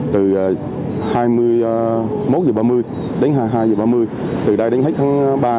từ hai mươi một h ba mươi đến hai mươi hai h ba mươi từ đây đến hết tháng ba